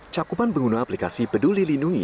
cakupan pengguna aplikasi peduli lindungi